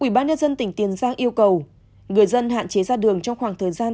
ubnd tỉnh tiền giang yêu cầu người dân hạn chế ra đường trong khoảng thời gian